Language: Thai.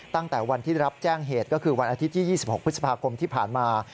ตั้งแต่วันที่รับแจ้งเหตุก็คือวันอาทิตย์ที่๒๖พฤษภาคมที่ผ่านมา